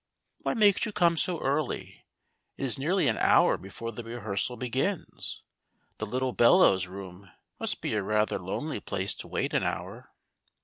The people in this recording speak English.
"What makes you come so early It is nearly an hour before the rehearsal begins. The little bellows room must be a rather lonely place to wait an hour."